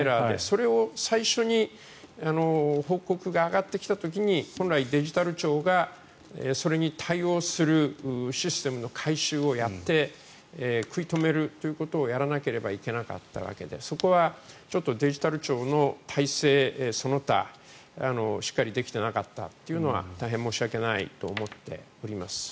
それを最初に報告が上がってきた時に本来、デジタル庁がそれに対応するシステムの改修をやって食い止めるということをやらなければいけなかったわけでそこはちょっとデジタル庁の体制、その他しっかりできていなかったというのは大変申し訳なかったと思っております。